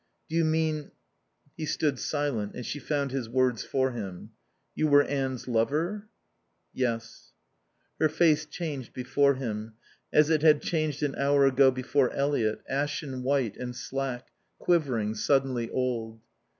"Do you mean " He stood silent and she found his words for him. "You were Anne's lover?" "Yes." Her face changed before him, as it had changed an hour ago before Eliot, ashen white and slack, quivering, suddenly old.